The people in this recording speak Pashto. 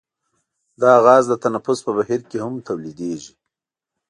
دا غاز د تنفس په بهیر کې هم تولیدیږي.